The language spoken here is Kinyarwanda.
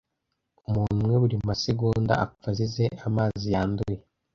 Umuntu umwe buri masegonda apfa azize amazi yanduye